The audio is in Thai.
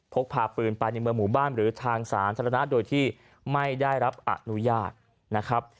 พกพาปืนไปในเมืองหมู่บ้านหรือทางสาธารณะโดยที่ไม่ได้รับอนุญาตนะครับ